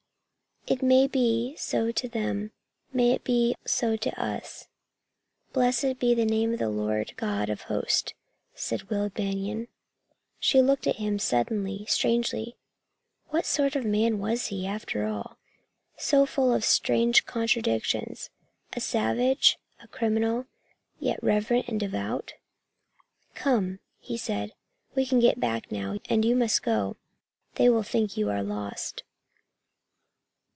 "It may be so to them. May it be so to us. Blessed be the name of the Lord God of Hosts!" said Will Banion. She looked at him suddenly, strangely. What sort of man was he, after all, so full of strange contradictions a savage, a criminal, yet reverent and devout? "Come," he said, "we can get back now, and you must go. They will think you are lost."